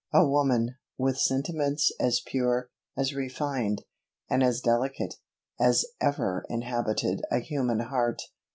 A woman, with sentiments as pure, as refined, and as delicate, as ever inhabited a human heart!